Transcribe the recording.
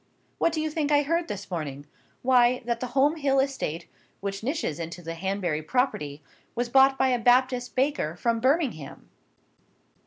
What do you think I heard this morning? Why that the Home Hill estate, which niches into the Hanbury property, was bought by a Baptist baker from Birmingham!"